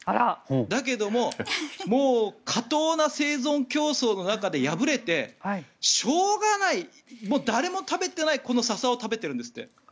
だけども、過当な生存競争の中で敗れて、しょうがない誰も食べてないササを食べてるんですって。